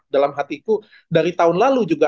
dalam hatiku dari tahun lalu juga